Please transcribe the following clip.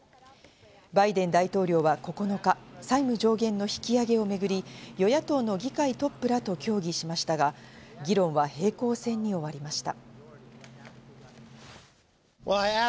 バイデン大統領は９日、債務上限の引き上げをめぐり、与野党の議会トップらと協議しましたが、議論は平行線に終わりました。